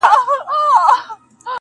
اوس معلومه سوه چي دا سړی پر حق دی,